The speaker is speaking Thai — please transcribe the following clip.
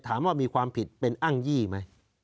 ถามว่ามีความผิดเป็นอ้างยี่ไหม